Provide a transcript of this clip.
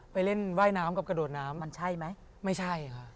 ไปเล่นว่ายน้ำกับกระโดดน้ำมันใช่ไหมไม่ใช่ค่ะ